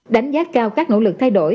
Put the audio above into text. đánh giá cao các nỗ lực thay đổi